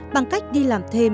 bằng cách đi làm thêm